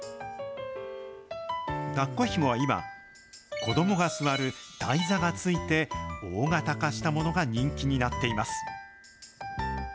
だっこひもは今、子どもが座る台座がついて、大型化したものが人気になっています。